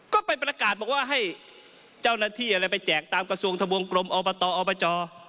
ก็ไปประกาศบอกว่าให้เจ้าหน้าที่อะไรไปแจกตามกระทรวงทะวงกลมอบตอบจ